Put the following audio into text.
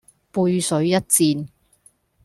背水一戰